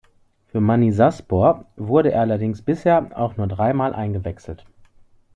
Für Manisaspor wurde er allerdings bisher auch nur drei Mal eingewechselt.